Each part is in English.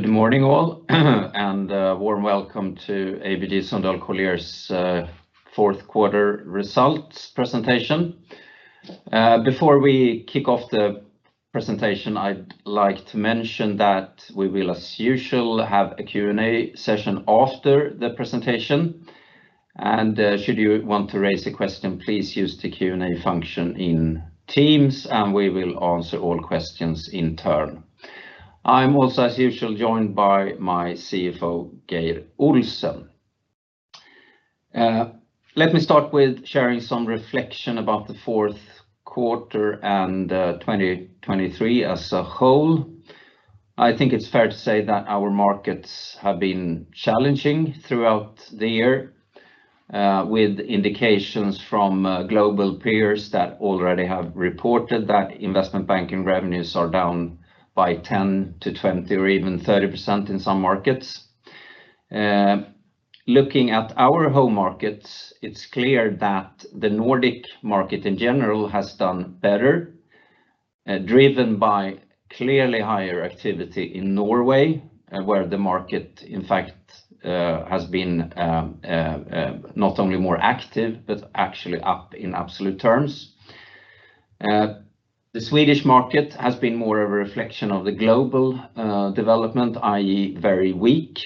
Good morning, all, and a warm welcome to ABG Sundal Collier's fourth quarter results presentation. Before we kick off the presentation, I'd like to mention that we will, as usual, have a Q&A session after the presentation, and should you want to raise a question, please use the Q&A function in Teams, and we will answer all questions in turn. I'm also, as usual, joined by my CFO, Geir Olsen. Let me start with sharing some reflection about the fourth quarter and 2023 as a whole. I think it's fair to say that our markets have been challenging throughout the year, with indications from global peers that already have reported that investment banking revenues are down by 10%-20% or even 30% in some markets. Looking at our home markets, it's clear that the Nordic market, in general, has done better, driven by clearly higher activity in Norway, where the market, in fact, has been not only more active, but actually up in absolute terms. The Swedish market has been more of a reflection of the global development, i.e., very weak.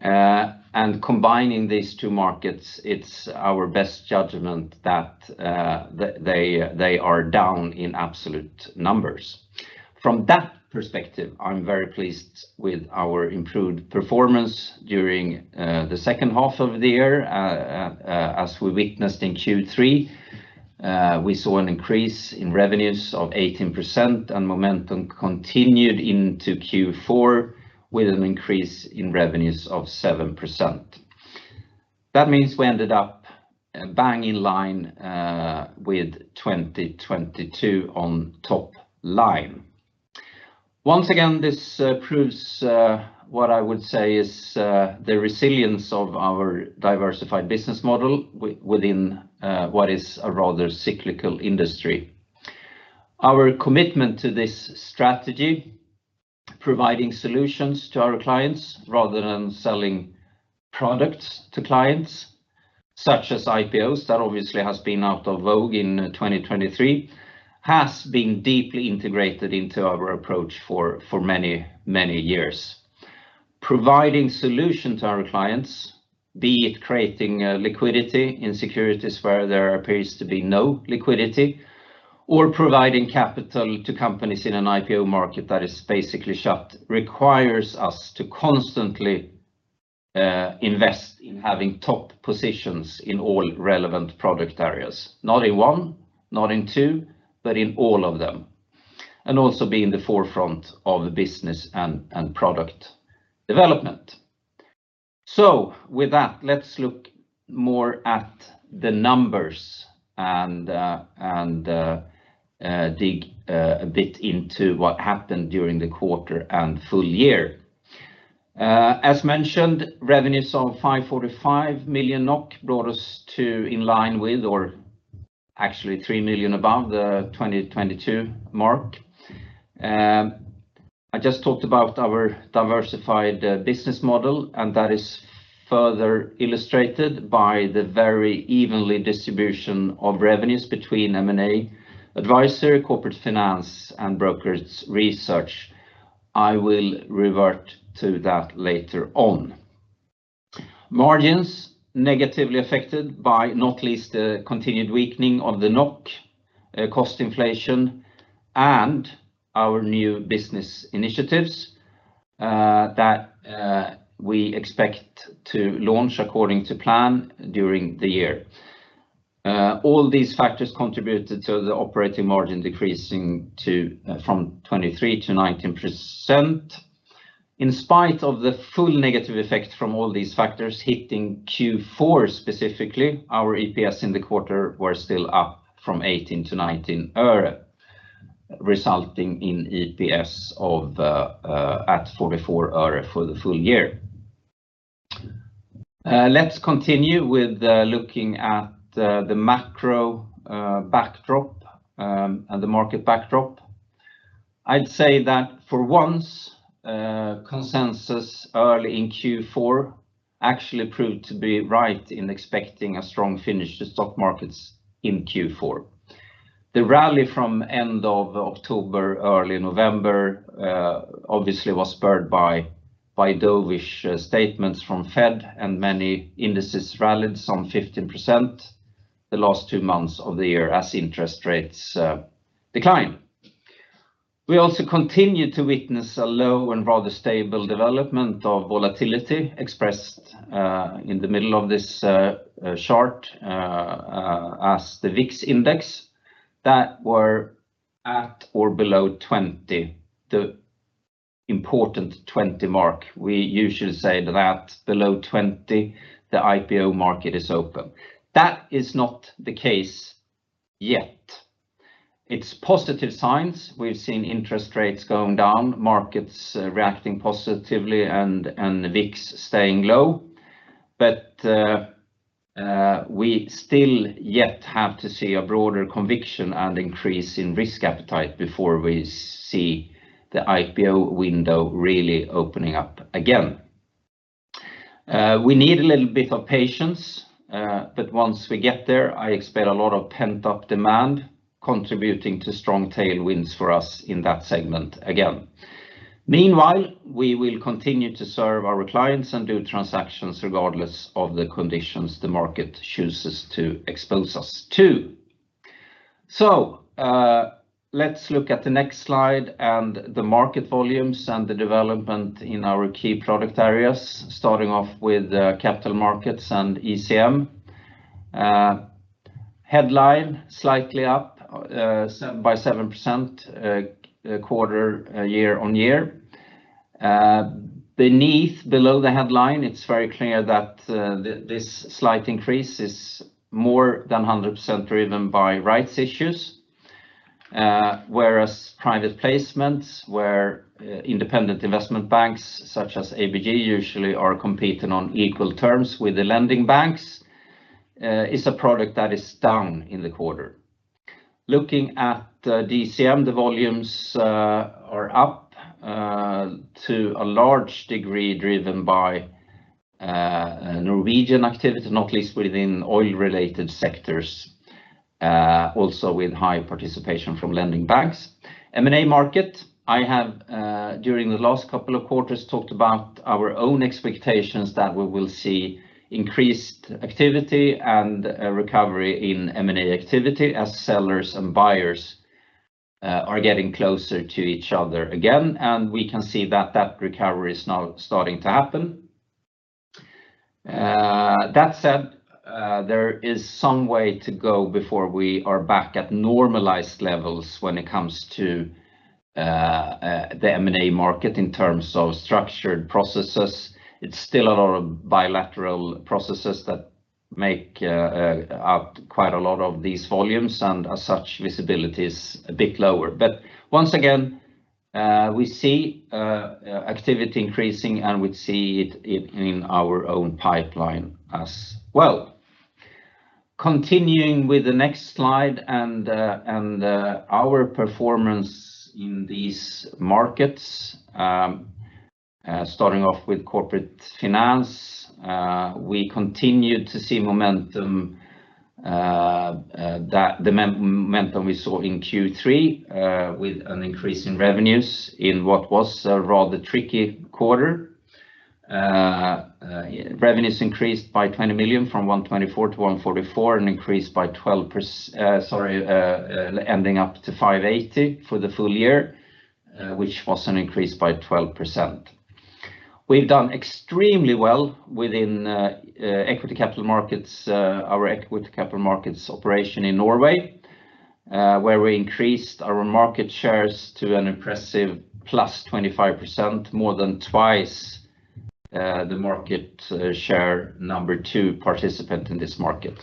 And combining these two markets, it's our best judgment that they are down in absolute numbers. From that perspective, I'm very pleased with our improved performance during the second half of the year. As we witnessed in Q3, we saw an increase in revenues of 18%, and momentum continued into Q4 with an increase in revenues of 7%. That means we ended up bang in line with 2022 on top line. Once again, this proves what I would say is the resilience of our diversified business model within what is a rather cyclical industry. Our commitment to this strategy, providing solutions to our clients rather than selling products to clients, such as IPOs, that obviously has been out of vogue in 2023, has been deeply integrated into our approach for, for many, many years. Providing solutions to our clients, be it creating liquidity in securities where there appears to be no liquidity or providing capital to companies in an IPO market that is basically shut, requires us to constantly invest in having top positions in all relevant product areas. Not in one, not in two, but in all of them, and also be in the forefront of the business and product development. So with that, let's look more at the numbers and dig a bit into what happened during the quarter and full year. As mentioned, revenues of 545 million NOK brought us to in line with or actually 3 million above the 2022 mark. I just talked about our diversified business model, and that is further illustrated by the very even distribution of revenues between M&A advisory, corporate finance, and brokerage research. I will revert to that later on. Margins negatively affected by not least the continued weakening of the NOK, cost inflation, and our new business initiatives that we expect to launch according to plan during the year. All these factors contributed to the operating margin decreasing from 23%-19%. In spite of the full negative effect from all these factors hitting Q4 specifically, our EPS in the quarter were still up from 18-19 øre, resulting in EPS of at 44 øre for the full year. Let's continue with looking at the macro backdrop and the market backdrop. I'd say that for once, consensus early in Q4 actually proved to be right in expecting a strong finish to stock markets in Q4. The rally from end of October, early November, obviously was spurred by, by dovish statements from Fed and many indices rallied some 15% the last two months of the year as interest rates decline. We also continued to witness a low and rather stable development of volatility expressed in the middle of this chart as the VIX index that were at or below 20. The important 20 mark. We usually say that below 20, the IPO market is open. That is not the case yet. It's positive signs. We've seen interest rates going down, markets reacting positively, and the VIX staying low. But we still yet have to see a broader conviction and increase in risk appetite before we see the IPO window really opening up again. We need a little bit of patience, but once we get there, I expect a lot of pent-up demand contributing to strong tailwinds for us in that segment again. Meanwhile, we will continue to serve our clients and do transactions regardless of the conditions the market chooses to expose us to. So, let's look at the next slide and the market volumes and the development in our key product areas, starting off with capital markets and ECM. Headline slightly up by 7% quarter year-on-year. Beneath, below the headline, it's very clear that this slight increase is more than 100% driven by rights issues. Whereas private placements, where independent investment banks, such as ABG, usually are competing on equal terms with the lending banks, is a product that is down in the quarter. Looking at DCM, the volumes are up to a large degree, driven by Norwegian activity, not least within oil-related sectors, also with high participation from lending banks. M&A market, I have during the last couple of quarters talked about our own expectations that we will see increased activity and a recovery in M&A activity as sellers and buyers are getting closer to each other again, and we can see that that recovery is now starting to happen. That said, there is some way to go before we are back at normalized levels when it comes to the M&A market in terms of structured processes. It's still a lot of bilateral processes that make out quite a lot of these volumes, and as such, visibility is a bit lower. But once again, we see activity increasing, and we see it in our own pipeline as well. Continuing with the next slide and our performance in these markets, starting off with corporate finance, we continued to see momentum, the momentum we saw in Q3, with an increase in revenues in what was a rather tricky quarter. Revenues increased by 20 million, from 124 million to 144 million, and increased by 12%. Sorry, ending up to 580 million for the full year, which was an increase by 12%. We've done extremely well within equity capital markets, our equity capital markets operation in Norway, where we increased our market shares to an impressive +25%, more than twice the market share number two participant in this market.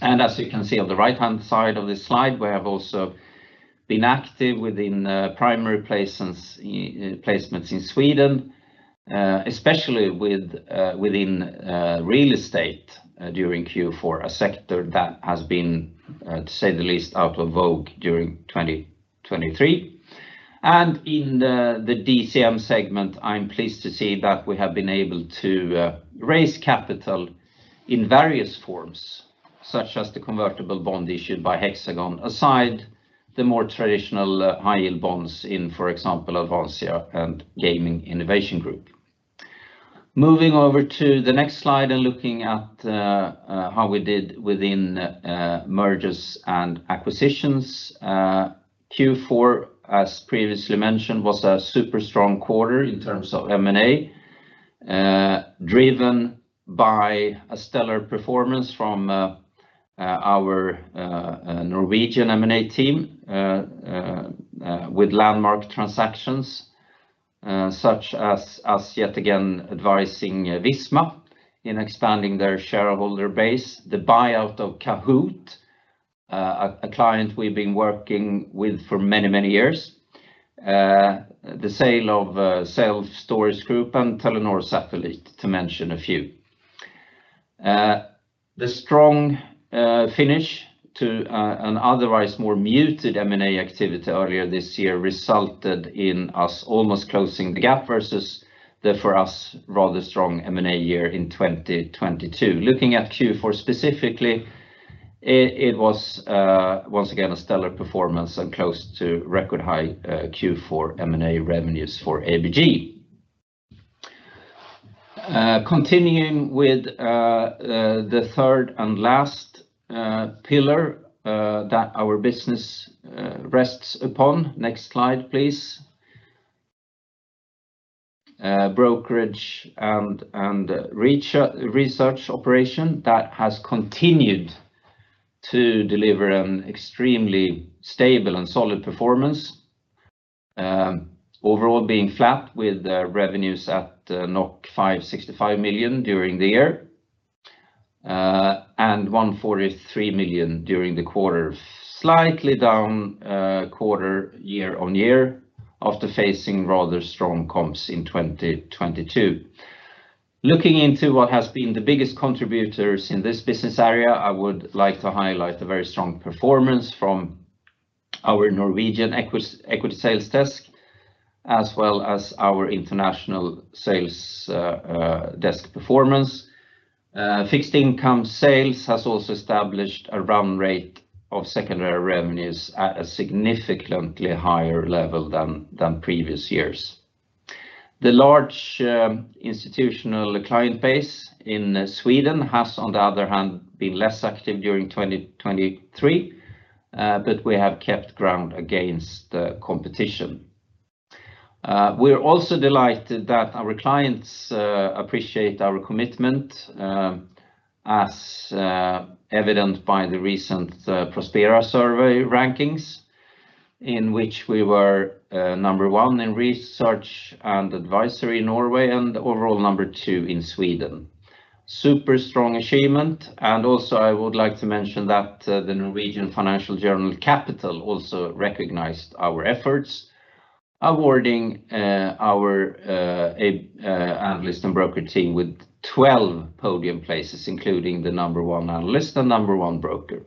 And as you can see on the right-hand side of this slide, we have also been active within primary placements in Sweden, especially within real estate during Q4, a sector that has been, to say the least, out of vogue during 2023. And in the DCM segment, I'm pleased to see that we have been able to raise capital in various forms, such as the convertible bond issued by Hexagon, aside the more traditional high-yield bonds, for example, Avanza and Gaming Innovation Group. Moving over to the next slide and looking at how we did within mergers and acquisitions, Q4, as previously mentioned, was a super strong quarter in terms of M&A, driven by a stellar performance from our Norwegian M&A team with landmark transactions such as, as yet again, advising Visma in expanding their shareholder base, the buyout of Kahoot!, a client we've been working with for many, many years, the sale of Self Storage Group and Telenor Satellite, to mention a few. The strong finish to an otherwise more muted M&A activity earlier this year resulted in us almost closing the gap versus the, for us, rather strong M&A year in 2022. Looking at Q4 specifically, it was once again a stellar performance and close to record high Q4 M&A revenues for ABG. Continuing with the third and last pillar that our business rests upon. Next slide, please. Brokerage and Research operation that has continued to deliver an extremely stable and solid performance. Overall, being flat with revenues at 565 million during the year and 143 million during the quarter. Slightly down quarter-over-year after facing rather strong comps in 2022. Looking into what has been the biggest contributors in this business area, I would like to highlight the very strong performance from our Norwegian equity sales desk, as well as our international sales desk performance. Fixed income sales has also established a run rate of secondary revenues at a significantly higher level than previous years. The large institutional client base in Sweden has, on the other hand, been less active during 2023, but we have kept ground against the competition. We're also delighted that our clients appreciate our commitment, as evident by the recent Prospera survey rankings, in which we were number one in research and advisory in Norway, and overall number two in Sweden. Super strong achievement, and also, I would like to mention that the Norwegian financial journal Kapital also recognized our efforts, awarding our analyst and broker team with 12 podium places, including the number one analyst and number one broker.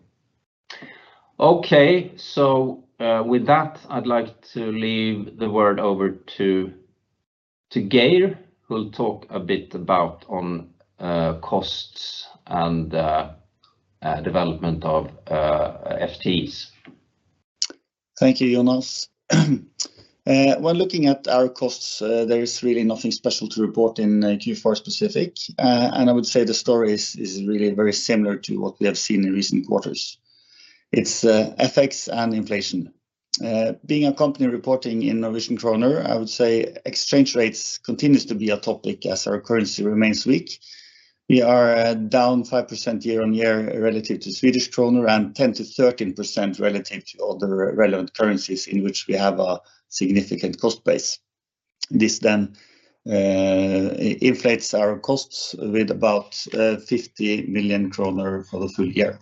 Okay, so, with that, I'd like to leave the word over to Geir, who'll talk a bit about costs and development of FTEs. Thank you, Jonas. When looking at our costs, there is really nothing special to report in Q4 specific. I would say the story is really very similar to what we have seen in recent quarters. It's FX and inflation. Being a company reporting in Norwegian kroner, I would say exchange rates continues to be a topic as our currency remains weak. We are down 5% year-on-year relative to Swedish kroner, and 10%-13% relative to other relevant currencies in which we have a significant cost base. This then inflates our costs with about 50 million kroner for the full year.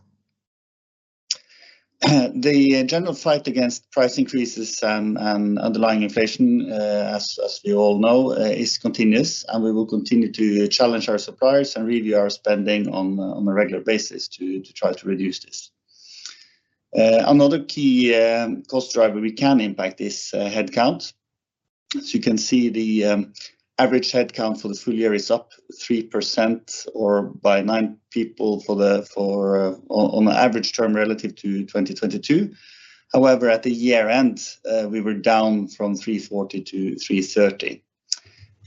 The general fight against price increases and underlying inflation, as we all know, is continuous, and we will continue to challenge our suppliers and review our spending on a regular basis to try to reduce this. Another key cost driver we can impact is headcount. As you can see, the average headcount for the full year is up 3% or by nine people on an average term relative to 2022. However, at the year-end, we were down from 340 to 330.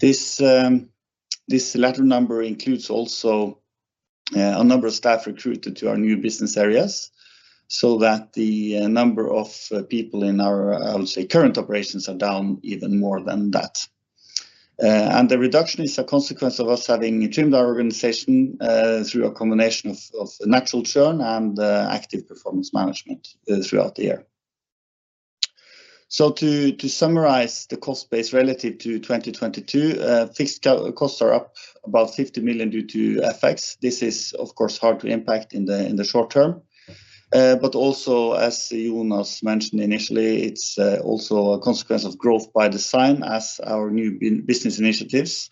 This latter number includes also a number of staff recruited to our new business areas, so that the number of people in our, I'll say, current operations are down even more than that. And the reduction is a consequence of us having trimmed our organization through a combination of natural churn and active performance management throughout the year. So to summarize the cost base relative to 2022, fixed costs are up about 50 million due to FX. This is, of course, hard to impact in the short term. But also, as Jonas mentioned initially, it's also a consequence of growth by design as our new business initiatives,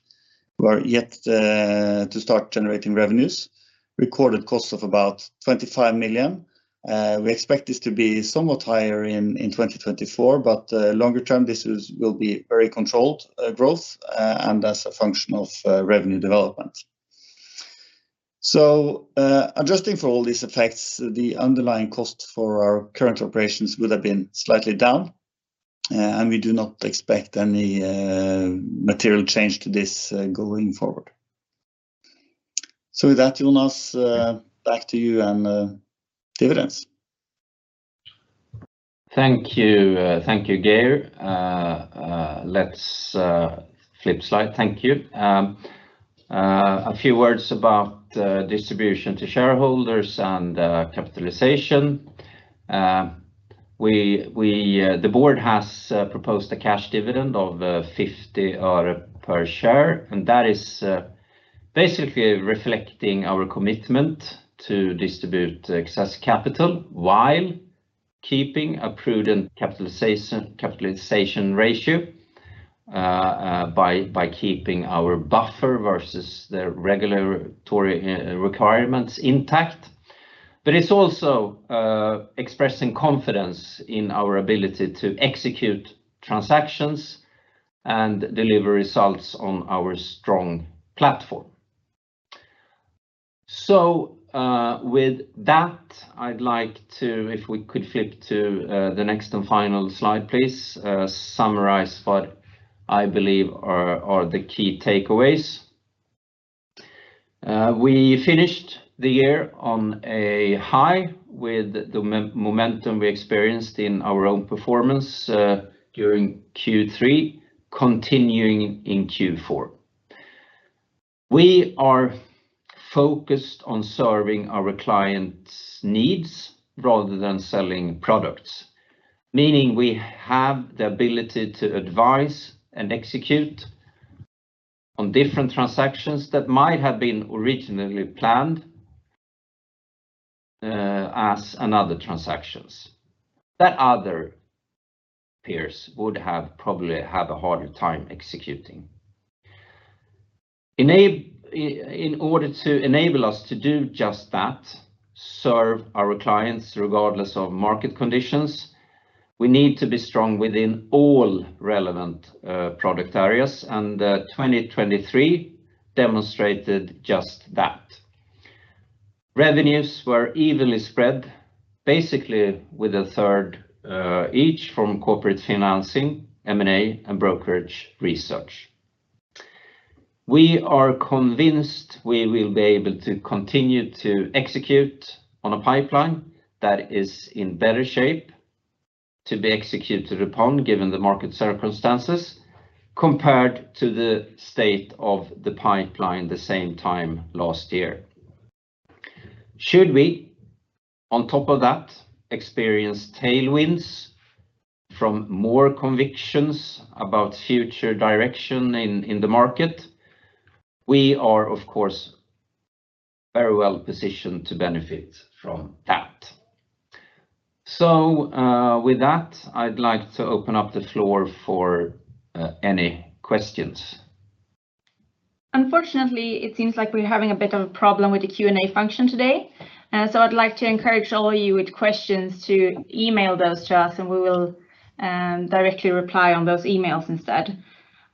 who are yet to start generating revenues, recorded costs of about 25 million. We expect this to be somewhat higher in 2024, but longer term, this will be very controlled growth and as a function of revenue development. So, adjusting for all these effects, the underlying costs for our current operations would have been slightly down, and we do not expect any, material change to this, going forward. So with that, Jonas, back to you and, dividends. Thank you. Thank you, Geir. Let's flip slide. Thank you. A few words about distribution to shareholders and capitalization. We, the Board has proposed a cash dividend of NOK 0.50 per share, and that is basically reflecting our commitment to distribute excess capital while keeping a prudent capitalization ratio by keeping our buffer versus the regulatory requirements intact. But it's also expressing confidence in our ability to execute transactions and deliver results on our strong platform. So, with that, I'd like to, if we could flip to the next and final slide, please, summarize what I believe are the key takeaways. We finished the year on a high with the momentum we experienced in our own performance during Q3, continuing in Q4. We are focused on serving our clients' needs rather than selling products, meaning we have the ability to advise and execute on different transactions that might have been originally planned and other transactions that other peers would have probably had a harder time executing. In order to enable us to do just that, serve our clients regardless of market conditions, we need to be strong within all relevant product areas, and 2023 demonstrated just that. Revenues were evenly spread, basically with a third each from corporate financing, M&A, and brokerage research. We are convinced we will be able to continue to execute on a pipeline that is in better shape to be executed upon, given the market circumstances, compared to the state of the pipeline the same time last year. Should we, on top of that, experience tailwinds from more convictions about future direction in the market, we are, of course, very well positioned to benefit from that. So, with that, I'd like to open up the floor for any questions. Unfortunately, it seems like we're having a bit of a problem with the Q&A function today. So I'd like to encourage all of you with questions to email those to us, and we will directly reply on those emails instead.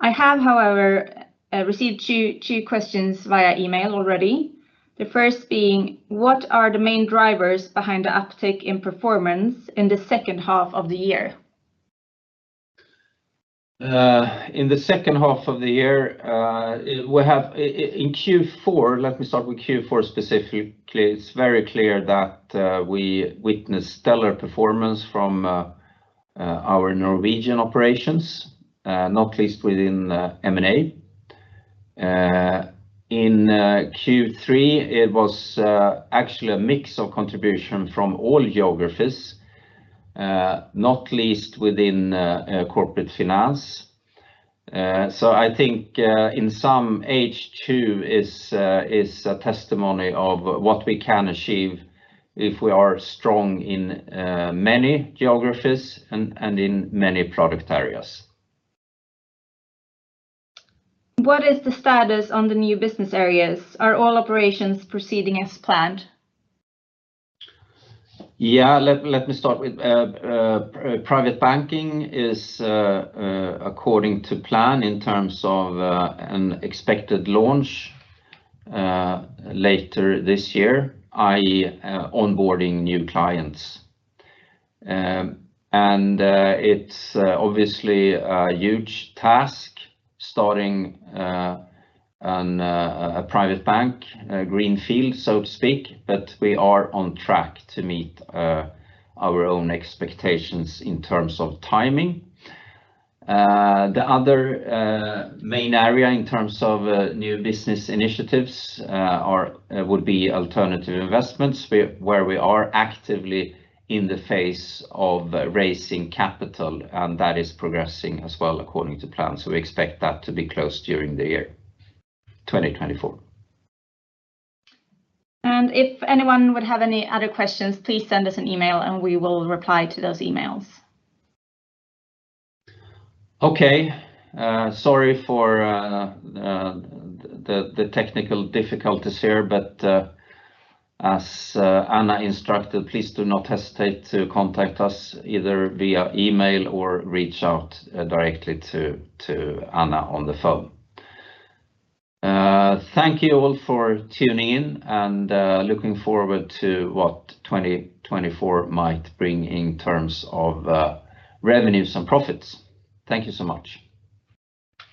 I have, however, received two questions via email already. The first being: What are the main drivers behind the uptick in performance in the second half of the year? In the second half of the year, we have in Q4, let me start with Q4 specifically. It's very clear that we witnessed stellar performance from our Norwegian operations, not least within M&A. In Q3, it was actually a mix of contribution from all geographies, not least within corporate finance. So I think, in sum, H2 is a testimony of what we can achieve if we are strong in many geographies and in many product areas. What is the status on the new business areas? Are all operations proceeding as planned? Yeah, let me start with, Private Banking is according to plan in terms of an expected launch later this year, i.e., onboarding new clients. It's obviously a huge task starting a private bank, a greenfield, so to speak, but we are on track to meet our own expectations in terms of timing. The other main area in terms of new business initiatives would be alternative investments, where we are actively in the phase of raising capital, and that is progressing as well according to plan, so we expect that to be closed during the year 2024. If anyone would have any other questions, please send us an email, and we will reply to those emails. Okay. Sorry for the technical difficulties here, but as Anna instructed, please do not hesitate to contact us, either via email or reach out directly to Anna on the phone. Thank you all for tuning in, and looking forward to what 2024 might bring in terms of revenues and profits. Thank you so much.